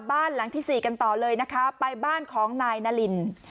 บ้านหลังที่สี่กันต่อเลยนะคะไปบ้านของนายนาริน